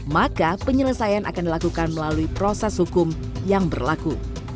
maka penyelesaian akan dilakukan melalui proses hukum yang berlaku